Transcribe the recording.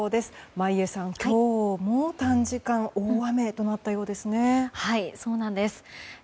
眞家さん、今日も短時間大雨となったようですね。